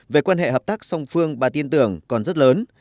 về quan hệ hợp tác song phương bà tin tưởng còn rất lớn